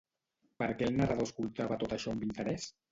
Per què el narrador escoltava tot això amb interès?